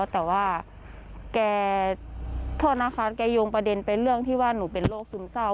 แต่ว่าแกโทษนะคะแกโยงประเด็นไปเรื่องที่ว่าหนูเป็นโรคซึมเศร้า